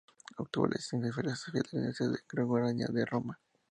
Obtuvo la licencia en filosofía de la Universidad Gregoriana de Roma.